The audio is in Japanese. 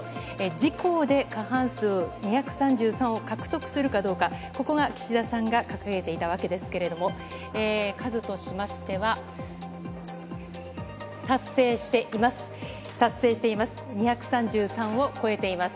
自公で過半数２３３を獲得するかどうか、ここが岸田さんが掲げていたわけですけれども、数としましては、達成しています。